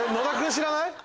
知らない？